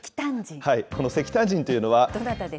この石炭人というのは。